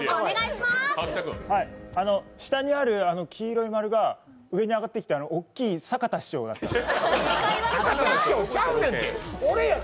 下にある黄色い丸が上に上がってきておっきい坂田師匠になってる。